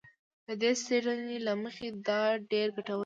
د دې څېړنې له مخې دا ډېر ګټور دی